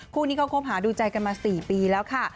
คู่นี้เขาคบหาดูใจกันมา๔ปีแล้วค่ะ